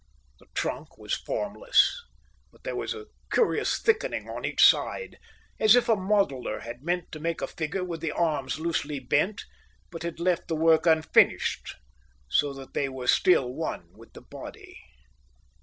The trunk was formless, but there was a curious thickening on each side; it was as if a modeller had meant to make a figure with the arms loosely bent, but had left the work unfinished so that they were still one with the body.